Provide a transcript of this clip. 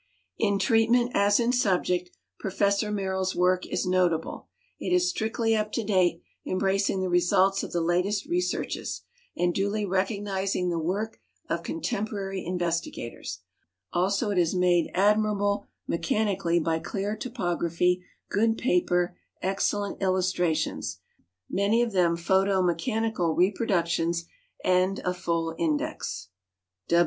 In treatment as in subject, Professor Merrill's work is notable. It is strictly up to date, embracing the results of the latest researches, and duly recognizing the work of contemporary investigators; also it is made ad mirable mechanically by clear typography, good paper, excellent illustra tions (many of them i)hotomechanical reproductions), and a full index.